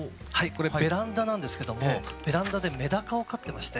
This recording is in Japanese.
これベランダなんですけどもベランダでメダカを飼ってまして。